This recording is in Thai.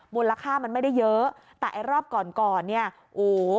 มูลค่ามันไม่ได้เยอะแต่ไอ้รอบก่อนก่อนเนี่ยโอ้โห